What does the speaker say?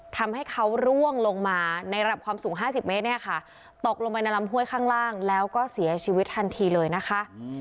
ทำให้เขาร่วงลงมาในระดับความสูง๕๐เมตรเนี่ยค่ะตกลงไปในลำห้วยข้างล่างแล้วก็เสียชีวิตทันทีเลยนะคะ